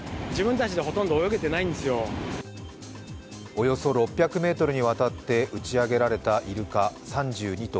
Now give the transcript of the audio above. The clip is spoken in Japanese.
およそ６００ｍにわたって打ち上げられた、いるか３２頭。